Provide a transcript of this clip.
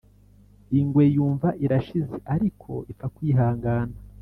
ingwe yumva irashize, ariko ipfa kwihangana.